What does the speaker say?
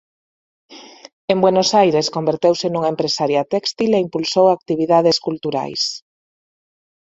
En Buenos Aires converteuse nunha empresaria téxtil e impulsou actividades culturais.